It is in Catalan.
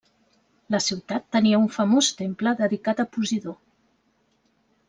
La ciutat tenia un famós temple dedicat a Posidó.